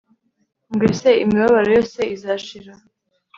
ngo ese imibabaro yose izashira